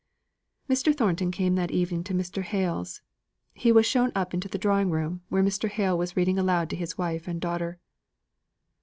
Mr. Thornton came that evening to Mr. Hale's. He was shown up into the drawing room, where Mr. Hale was reading aloud to his wife and daughter.